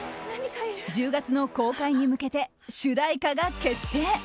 １０月の公開に向けて主題歌が決定。